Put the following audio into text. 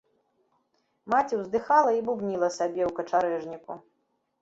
Маці ўздыхала і бубніла сабе ў качарэжніку.